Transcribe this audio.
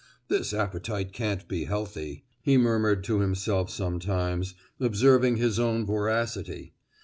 "This appetite can't be healthy!" he murmured to himself sometimes, observing his own voracity.